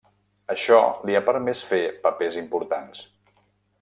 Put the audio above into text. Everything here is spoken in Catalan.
Això li ha permès fer papers importants.